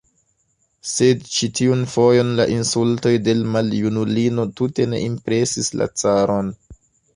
Sed ĉi tiun fojon la insultoj de l' maljunulino tute ne impresis la caron.